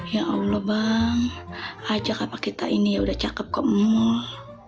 ya allah bang ajak apa kita ini ya udah cakep ke mul